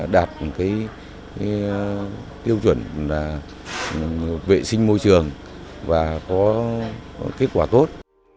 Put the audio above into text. đạt cái tiêu chuẩn là vệ sinh môi trường và có kết quả tốt